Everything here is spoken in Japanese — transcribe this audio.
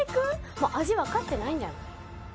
もう味分かってないんじゃない？